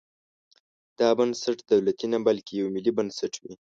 دا بنسټ دولتي نه بلکې یو ملي بنسټ وي.